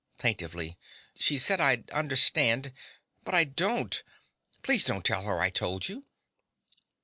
(Plaintively.) She said I'd understand; but I don't. Please don't tell her I told you.